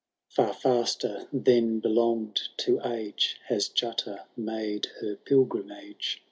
XVI. Far faster than belong'd to age Has Jutta made her pilgrimage.